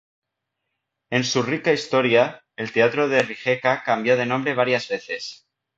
En su rica historia, el teatro de Rijeka cambió de nombre varias veces.